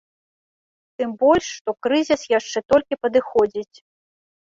Тым больш, што крызіс яшчэ толькі падыходзіць.